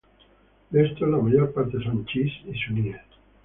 De estos la mayor parte son chiíes y suníes.